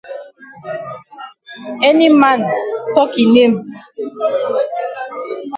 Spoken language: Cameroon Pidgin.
Any man tok e name.